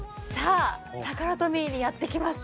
タカラトミーにやって来ました。